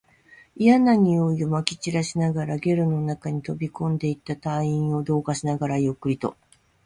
嫌な臭いを撒き散らしながら、ゲルの中に飛び込んでいった隊員を同化しながら、ゆっくりと